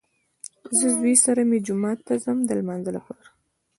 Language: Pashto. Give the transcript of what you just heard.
زه زوی سره مې جومات ته ځم د لمانځه لپاره